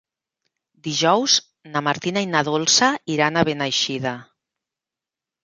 Dijous na Martina i na Dolça iran a Beneixida.